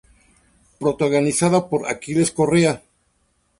Protagonizada por Aquiles Correa.